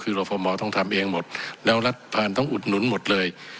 คือรฟมต้องทำเองหมดแล้วรัฐผ่านต้องอุดหนุนหมดเลย